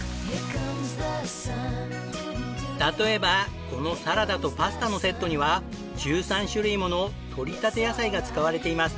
例えばこのサラダとパスタのセットには１３種類もの採りたて野菜が使われています。